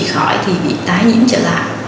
nếu không được điều trị khỏi thì bị tái nhiễm trở lại